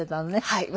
はい。